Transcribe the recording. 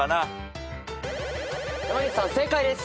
正解です。